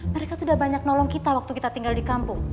mereka sudah banyak nolong kita waktu kita tinggal di kampung